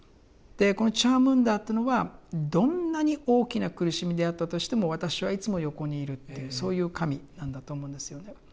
このチャームンダーっていうのはどんなに大きな苦しみであったとしても私はいつも横にいるっていうそういう神なんだと思うんですよね。